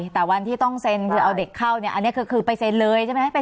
แต่วันที่ต้องเซ็นคือเอาเด็กเข้าเนี่ยอันนี้คือไปเซ็นเลยใช่ไหม